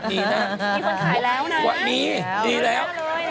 มีคนขายแล้วนะมีมีแล้ว